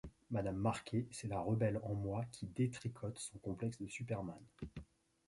Madame Marquet, c’est la rebelle en moi qui détricote son complexe de Superman.